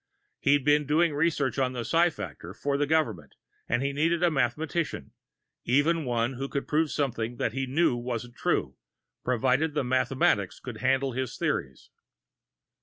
He'd been doing research on the psi factor for the government, and he needed a mathematician even one who proved something which he knew wasn't true, provided the mathematics could handle his theories.